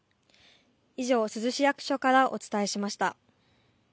以上、珠洲市役所からお伝えしました。